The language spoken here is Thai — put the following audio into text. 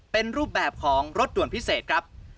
เป็นรูปแบบของรถด่วนพิเศษครับ